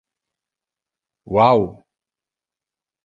Wow!